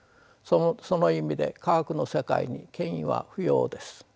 その意味で科学の世界に権威は不要です。